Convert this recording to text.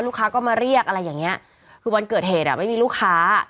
ลูกค้าก็มาเรียกอะไรอย่างเงี้ยคือวันเกิดเหตุอ่ะไม่มีลูกค้า